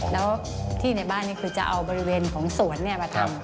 แล้วที่ในบ้านนี้คือจะเอาบริเวณของสวนมาทำ